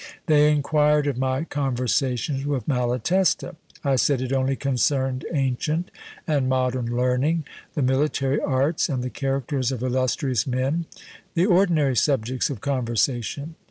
They inquired of my conversations with Malatesta. I said it only concerned ancient and modern learning, the military arts, and the characters of illustrious men, the ordinary subjects of conversation.